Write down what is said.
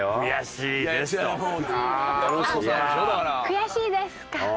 「悔しいです！」か。